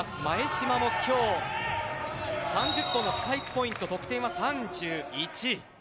前嶋も今日３０本のスパイクポイント得点は３１。